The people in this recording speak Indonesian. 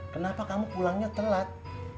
kenapa kamu pulangnya telat